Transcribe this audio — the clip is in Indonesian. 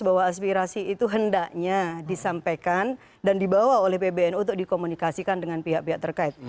bahwa aspirasi itu hendaknya disampaikan dan dibawa oleh pbnu untuk dikomunikasikan dengan pihak pihak terkait